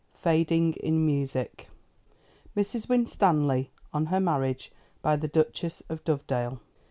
"Fading in Music." "Mrs. Winstanley, on her marriage, by the Duchess of Dovedale."